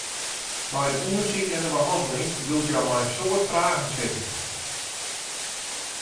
Nei it ûndersyk en de behanneling bliuwt hja mei in soad fragen sitten.